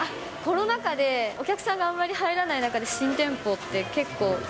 コロナ禍で、お客さんがあんまり入らない中で新店舗って結構。